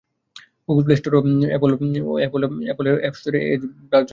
Google play store ও অ্যাপলের app স্টোরে এজ ব্রাউজার পাওয়া যাবে।